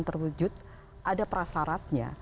terwujud ada prasaratnya